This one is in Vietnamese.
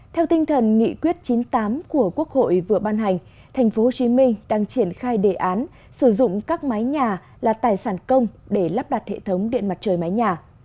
theo tinh thần nghị quyết chín mươi tám của quốc hội vừa ban hành thành phố hồ chí minh đang triển khai đề án sử dụng các máy nhà là tài sản công để lắp đặt hệ thống điện mặt trời máy nhà